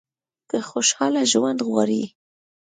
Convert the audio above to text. که خوشاله ژوند غواړئ .